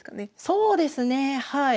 そうですねはい。